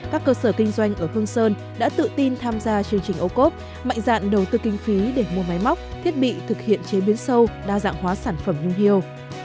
các cơ sở kinh doanh ở hương sơn đã tự tin tham gia chương trình ô cốp mạnh dạn đầu tư kinh phí để mua máy móc thiết bị thực hiện chế biến sâu đa dạng hóa sản phẩm nhung hiêu